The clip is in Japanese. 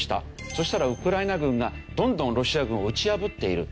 そしたらウクライナ軍がどんどんロシア軍を打ち破っている。